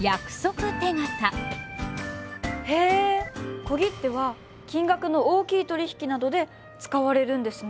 へえ小切手は金額の大きい取り引きなどで使われるんですね。